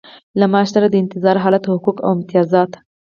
له معاش سره د انتظار حالت حقوق او امتیازات.